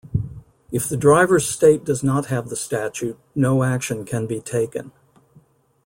If the driver's state does not have the statute, no action can be taken.